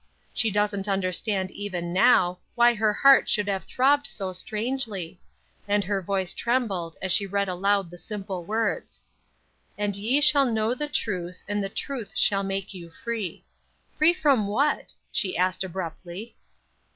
She doesn't understand even now why her heart should have throbbed so strangely; and her voice trembled as she read aloud the simple words: "'And ye shall know the truth, and the truth shall make you free.'" "Free from what?" she asked abruptly.